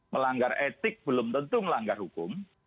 melanggar etik belum tentu melanggar hukum